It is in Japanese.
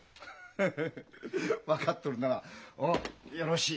フフッ分かっとるんならよろしい。